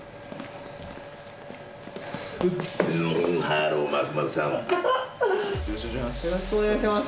よろしくお願いします。